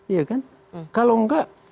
iya kan kalau nggak